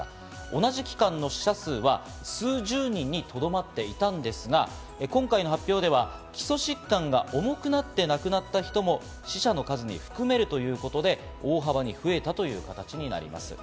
同じ期間の死者数は数十人にとどまっていたんですが、今回の発表では基礎疾患が重くなって亡くなった人も死者の数に含めるということで、大幅に増えたという形になります。